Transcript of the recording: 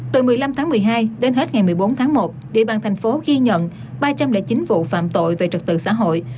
từ một mươi năm tháng một mươi hai đến hết ngày một mươi bốn tháng một địa bàn thành phố ghi nhận ba trăm linh chín vụ phạm tội về trật tự xã hội